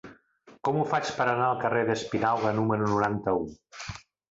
Com ho faig per anar al carrer d'Espinauga número noranta-u?